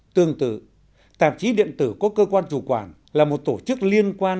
tương tự tạp chí điện tử có cơ quan chủ quản là một tổ chức liên quan